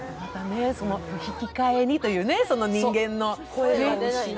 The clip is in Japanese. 引き換えにという、人間の声を。